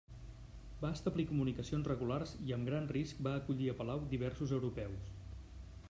Va establir comunicacions regulars i amb gran risc va acollir a palau diversos europeus.